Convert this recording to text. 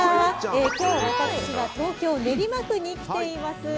今日、私は東京・練馬区に来ています。